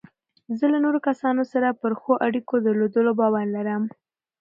زه له نورو کسانو سره پر ښو اړیکو درلودلو باور لرم.